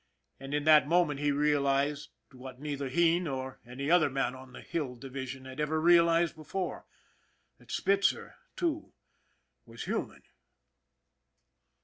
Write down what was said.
And in that moment he realized what neither he nor any other man on the Hill Division had ever realized before that Spitzer, too, was human.